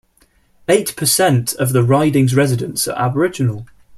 Eight per cent of the riding's residents are aboriginal.